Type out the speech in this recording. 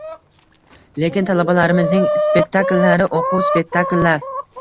Lekin talabalarimizning spektakllari — o‘quv spektakllar